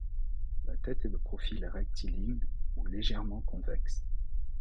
La tête est de profil rectiligne ou légèrement convexe.